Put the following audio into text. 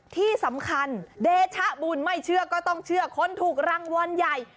ที่สำคัญเดชะบุญไม่เชื่อก็ต้องเชื่อคนถูกรางวัลใหญ่